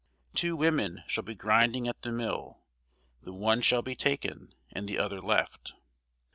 Two women shall be grinding at the mill; the one shall be taken, and the other left.